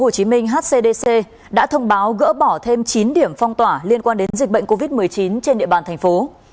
hồ chí minh hcdc đã thông báo gỡ bỏ thêm chín điểm phong tỏa liên quan đến dịch bệnh covid một mươi chín trên địa bàn thành phố